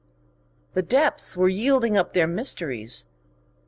The deeps were yielding up their mysteries.